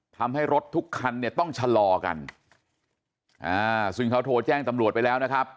ทำให้รถทุกคันเนี่ยต้องชะลอกันอ่าซึ่งเขาโทรแจ้งตำรวจไปแล้วนะครับ